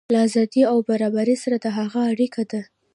له ازادۍ او برابرۍ سره د هغه اړیکه ده.